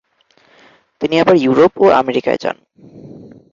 তিনি আবার ইউরোপ ও আমেরিকায় যান।